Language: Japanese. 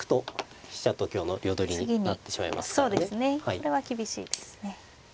これは厳しいですね。